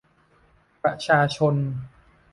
ประชาชน